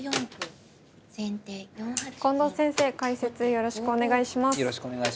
よろしくお願いします。